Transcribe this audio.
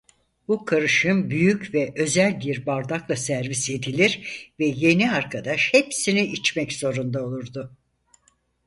Bu karışım büyük ve özel bir bardakla servis edilir ve yeni arkadaş hepsini içmek zorunda olurdu.